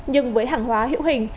nhưng với hàng hóa hữu hình